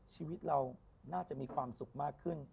ชีวิตเราน่าจะมีความสุขมากขึ้น